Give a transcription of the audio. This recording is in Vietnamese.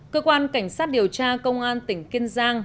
cơ quan cảnh sát điều tra công an tỉnh kiên giang